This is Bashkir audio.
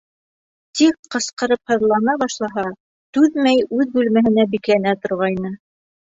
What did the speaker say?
Тик ҡысҡырып һыҙлана башлаһа, түҙмәй үҙ бүлмәһенә бикләнә торғайны.